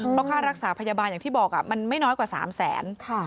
เพราะค่ารักษาพยาบาลอย่างที่บอกมันไม่น้อยกว่า๓แสน